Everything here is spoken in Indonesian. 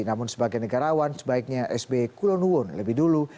namun sebagai negarawan sebaiknya sby kulon wun lebih dulu